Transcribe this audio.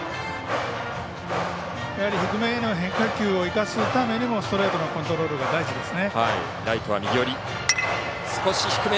低めへの変化球を生かすためにもストレートのコントロールが大事ですね。